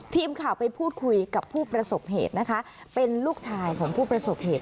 ทีมข่าวไปพูดคุยกับผู้ประสบเหตุนะคะเป็นลูกชายของผู้ประสบเหตุ